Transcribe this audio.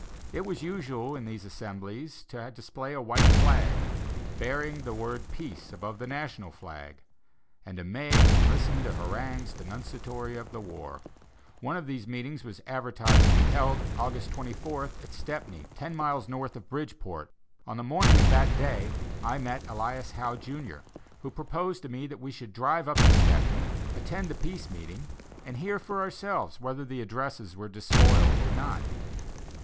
It was usual in these assemblages to display a white flag, bearing the word "Peace" above the National flag, and to make and listen to harangues denunciatory of the war. One of these meetings was advertised to be held, August 24th, at Stepney, ten miles north of Bridgeport. On the morning of that day, I met Elias Howe, Jr., who proposed to me that we should drive up to Stepney, attend the Peace meeting, and hear for ourselves whether the addresses were disloyal or not.